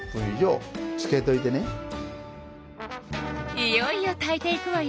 いよいよ炊いていくわよ。